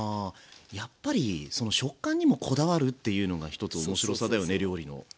やっぱりその食感にもこだわるっていうのが一つ面白さだよね料理の。